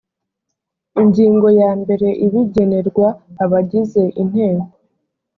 ingingo yambere ibigenerwa abagize inteko